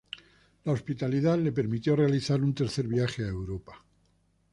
La hospitalidad le permitió realizar un tercer viaje a Europa.